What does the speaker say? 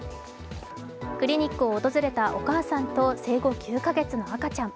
クリニックを訪れたお母さんと生後９か月の赤ちゃん。